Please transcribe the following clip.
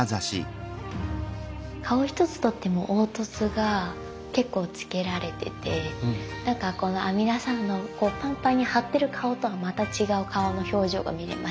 顔ひとつ取っても凹凸が結構つけられててなんかこの阿弥陀さんのパンパンに張ってる顔とはまた違う顔の表情が見れますよね。